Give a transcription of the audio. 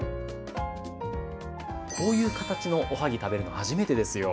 こういう形のおはぎ食べるの初めてですよ。